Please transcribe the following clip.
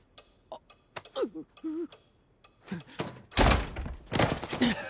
あっうっ。